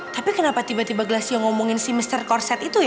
tapi kenapa tiba tiba glassio ngomongin si mr korset itu ya